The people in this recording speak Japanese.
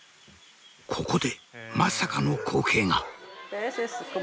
ここでまさかの光景が！